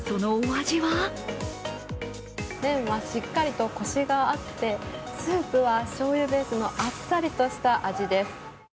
面はしっかりとコシがあってスープはしょうゆベースのあっさりとした味です。